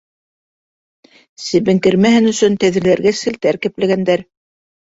Себен кермәһен өсөн, тәҙрәләргә селтәр кәпләгәндәр.